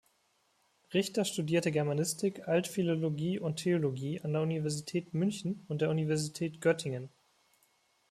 Richter studierte Germanistik, Altphilologie und Theologie an der Universität München und der Universität Göttingen.